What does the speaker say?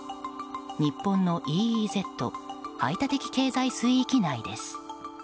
日本のＥＥＺ・排他的経済水域内です。